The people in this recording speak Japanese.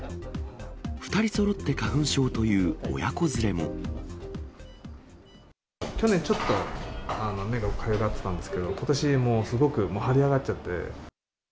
２人そろって花粉症という親子連去年ちょっと、目がかゆがってたんですけど、ことし、もうすごくもう腫れ上がっちゃって。